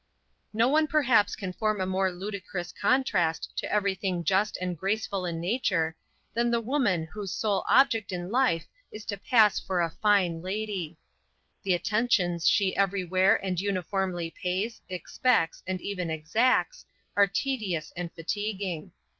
No one perhaps can form a more ludicrous contrast to every thing just and graceful in nature, than the woman whose sole object in life is to pass for a fine lady. The attentions she every where and uniformly pays, expects, and even exacts, are tedious and fatiguing.